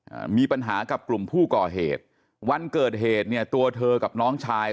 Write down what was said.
อ่ามีปัญหากับกลุ่มผู้ก่อเหตุวันเกิดเหตุเนี่ยตัวเธอกับน้องชาย